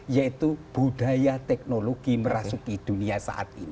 yaitu budaya teknologi merasuki dunia saat ini